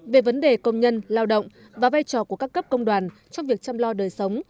về vấn đề công nhân lao động và vai trò của các cấp công đoàn trong việc chăm lo đời sống